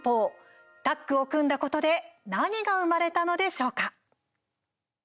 タッグを組んだことで何が生まれたのでしょうか。